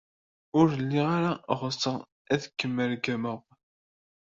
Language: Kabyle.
Ur lliɣ ara ɣseɣ ad kem-regmeɣ.